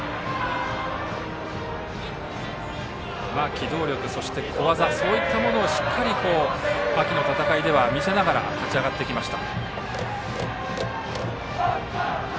機動力、小技そういったものをしっかり秋の戦いでは見せながら勝ち上がってきました。